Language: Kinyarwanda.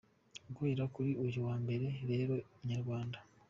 Guhera kuri uyu wa Mbere rero Inyarwanda.